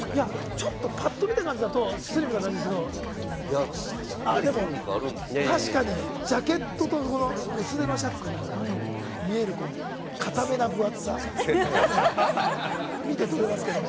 ちょっとぱっと見た感じだとスリムな感じするけれども、あっ、でも確かにジャケットと薄手のシャツに見える硬めな分厚さ、見て取れますけれども。